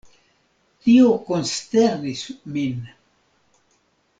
Tio konsternis min.